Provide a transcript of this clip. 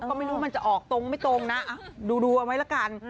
ก็ไม่รู้มันจะออกตรงไม่ตรงนะดูเอาไว้ละกัน